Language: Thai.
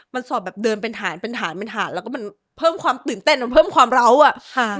มันสอบแบบเดินเป็นฐานเป็นฐานเป็นฐานแล้วก็มันเพิ่มความตื่นเต้นมันเพิ่มความเล้าอ่ะค่ะ